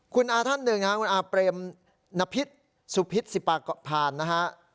คุณอาท่านหนึ่งคุณอาเปรมนพิษสุพิษศิปากพานนะฮะ